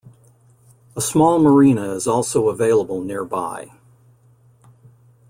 A small marina is also available nearby.